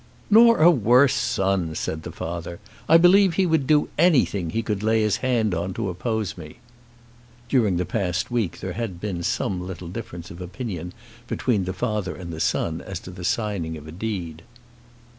"Nor a worse son," said the father. "I believe he would do anything he could lay his hand on to oppose me." During the past week there had been some little difference of opinion between the father and the son as to the signing of a deed.